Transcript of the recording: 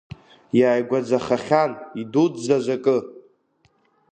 Иааигәаӡахахьан идуӡӡаз акы…